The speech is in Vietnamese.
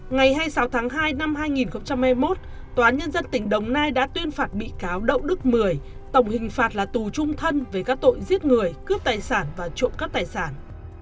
ngày hai mươi sáu tháng hai năm hai nghìn hai mươi một tòa án nhân dân tỉnh đồng nai đã tuyên phạt bị cáo đậu đức mười tổng hình phạt là tù trung thân về các tội giết người cướp tài sản và trộm cắp tài sản